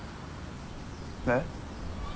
えっ？